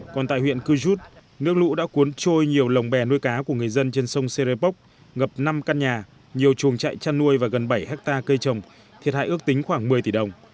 còn tại huyện cư rút nước lũ đã cuốn trôi nhiều lồng bè nuôi cá của người dân trên sông serepok ngập năm căn nhà nhiều chuồng chạy chăn nuôi và gần bảy hectare cây trồng thiệt hại ước tính khoảng một mươi tỷ đồng